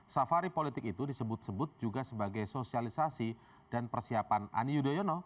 safari politik itu disebut sebut juga sebagai sosialisasi dan persiapan ani yudhoyono